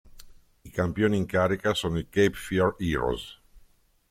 I campioni in carica sono i Cape Fear Heroes.